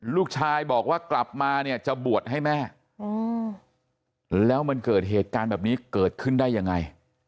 ลูกชายบอกว่ากลับมาเนี่ยจะบวชให้แม่แล้วมันเกิดเหตุการณ์แบบนี้เกิดขึ้นได้ยังไง